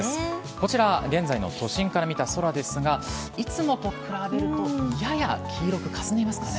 こちらは現在の都心から見た空ですがいつもと比べるとやや黄色くかすんでますね。